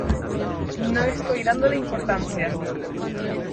No estoy dándole importancia.